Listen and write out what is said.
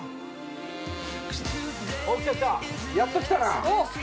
◆おっ、来た来た、やっと来たな。